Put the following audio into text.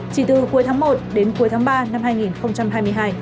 chỉ từ cuối tháng một đến cuối tháng ba năm hai nghìn hai mươi hai